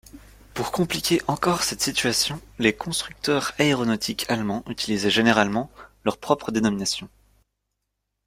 Pour compliquer encore cette situation, les constructeurs aéronautiques allemands utilisaient généralement leur propre dénomination.